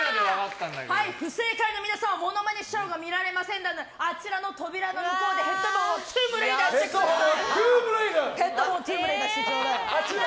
不正解の皆さんはモノマネショーが見られませんのであちらの扉の向こうでヘッドホンをトーゥムレイダーしてください。